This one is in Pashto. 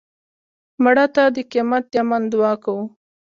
مړه ته د قیامت د امن دعا کوو